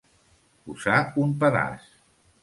Posar un pedaç.